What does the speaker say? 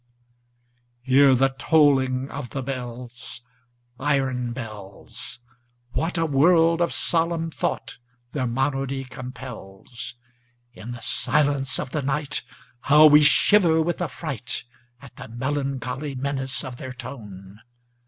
Hear the tolling of the bells, Iron bells! What a world of solemn thought their monody compels! In the silence of the nightHow we shiver with affrightAt the melancholy menace of their tone!